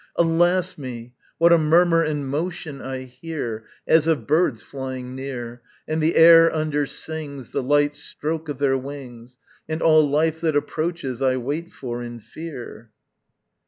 Alas me! what a murmur and motion I hear, As of birds flying near! And the air undersings The light stroke of their wings And all life that approaches I wait for in fear.